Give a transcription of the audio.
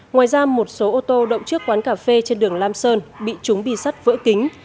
ngoài ra một số ô tô động trước quán cà phê trên đường lam sơn bị chúng bi sắt vỡ kính